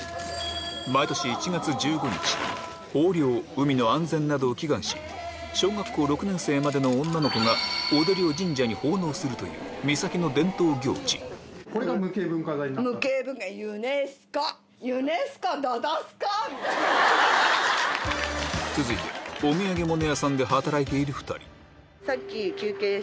毎年１月１５日豊漁海の安全などを祈願し小学校６年生までの女の子が踊りを神社に奉納するという三崎の伝統行事続いて大きいよね！